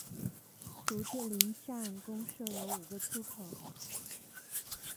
竹子林站共设有五个出口。